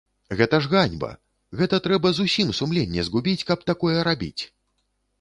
Гэта ж ганьба, гэта трэба зусім сумленне згубіць, каб такое рабіць!